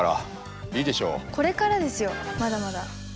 これからですよまだまだ。